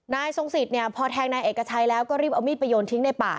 ทรงสิทธิ์เนี่ยพอแทงนายเอกชัยแล้วก็รีบเอามีดไปโยนทิ้งในป่า